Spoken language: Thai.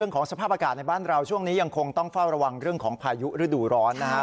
ของสภาพอากาศในบ้านเราช่วงนี้ยังคงต้องเฝ้าระวังเรื่องของพายุฤดูร้อนนะครับ